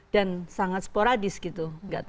dan sangat sporadis gitu